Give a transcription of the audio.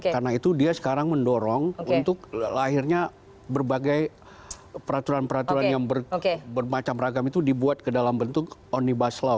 karena itu dia sekarang mendorong untuk lahirnya berbagai peraturan peraturan yang bermacam ragam itu dibuat ke dalam bentuk onibas law